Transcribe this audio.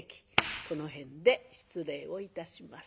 この辺で失礼をいたします。